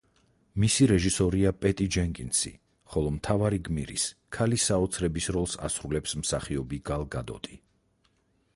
მისი რეჟისორია პეტი ჯენკინსი, ხოლო მთავარი გმირის, ქალი საოცრების როლს ასრულებს მსახიობი გალ გადოტი.